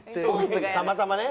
たまたまね。